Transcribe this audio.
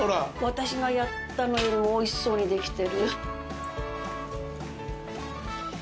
私がやったのよりおいしそうにできてる。